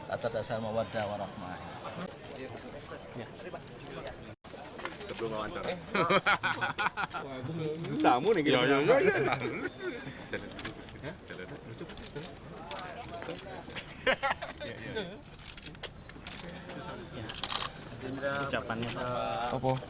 atas asal mawadah warahmatullahi wabarakatuh